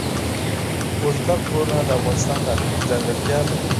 اوږده غرونه د افغانستان د اقلیم ځانګړتیا ده.